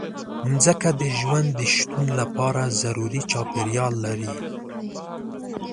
مځکه د ژوند د شتون لپاره ضروري چاپېریال لري.